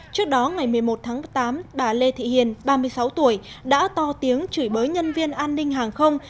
trước đó ngày một mươi một tháng tám bà lê thị hiền ba mươi sáu tuổi đã to tiếng chửi bới nhân viên an ninh hàng không